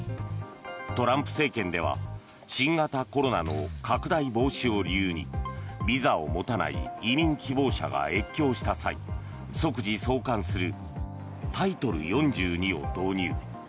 トランプ政権では新型コロナの拡大防止を理由にビザを持たない移民希望者が越境した際即時送還するタイトル４２を導入。